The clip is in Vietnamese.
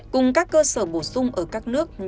cùng các cơ sở bổ sung ở các nước